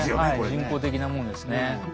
人工的なものですね。